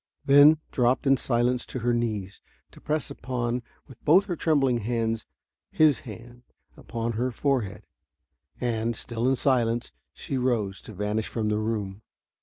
Then dropped in silence to her knees to press with both her trembling hands his hand upon her forehead. And, still in silence, she rose to vanish from the room.